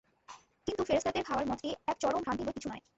কিন্তু ফেরেশতাদের খাওয়ার মতটি এক চরম ভ্রান্তি বৈ কিছু নয়।